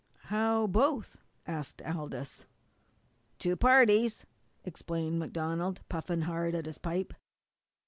"How both?" asked Aldous. "Two parties," explained MacDonald, puffing hard at his pipe.